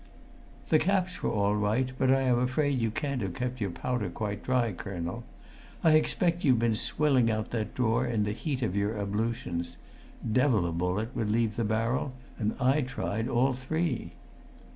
"The caps were all right, but I am afraid you can't have kept your powder quite dry, colonel. I expect you've been swilling out that drawer in the heat of your ablutions. Devil a bullet would leave the barrel, and I tried all three."